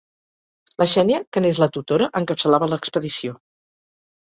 La Xènia, que n'és la tutora, encapçalava l'expedició.